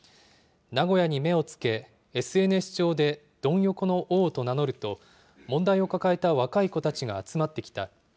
名古屋に目をつけ、ＳＮＳ上で、ドン横の王と名乗ると、問題を抱えた若い子たちが集まってきた。